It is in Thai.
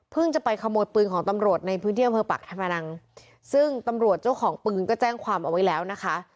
จะไปขโมยปืนของตำรวจในพื้นที่อำเภอปากธรรมนังซึ่งตำรวจเจ้าของปืนก็แจ้งความเอาไว้แล้วนะคะ